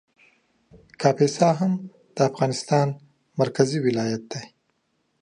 کاپیسا هم د افغانستان مرکزي ولایت دی